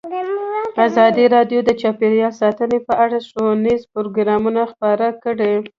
ازادي راډیو د چاپیریال ساتنه په اړه ښوونیز پروګرامونه خپاره کړي.